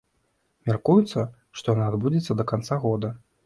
Мяркуецца, што яна адбудзецца да канца года.